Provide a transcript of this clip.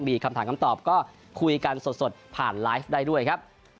มีคำถามคำตอบก็คุยกันสดผ่านไลฟ์ได้ด้วยครับ